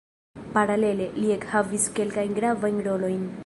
Paralele, li ekhavis kelkajn gravajn rolojn.